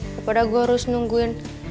ya pada gue harus nungguin